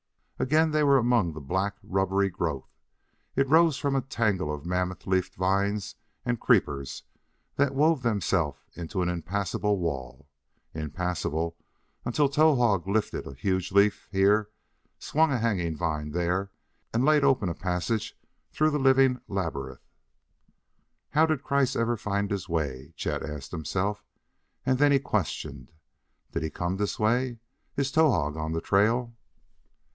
Again they were among the black rubbery growth. It rose from a tangle of mammoth leafed vines and creepers that wove themselves into an impassable wall impassable until Towahg lifted a huge leaf here, swung a hanging vine there, and laid open a passage through the living labyrinth. "How did Kreiss ever find his way?" Chet asked himself. And then he questioned: "Did he come this way? Is Towahg on the trail?"